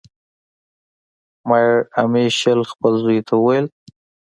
مایر امشیل خپل زوی ته وویل.